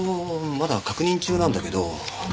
まだ確認中なんだけど。